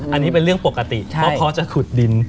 อันนี้เป็นเรื่องปกติเพราะพ่อจะขุดดิน